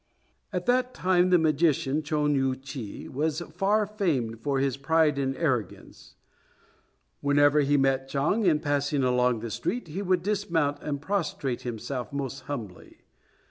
At that time the magician Chon U chi, who was far famed for his pride and arrogance, whenever he met Chang, in passing along the street, would dismount and prostrate himself most humbly.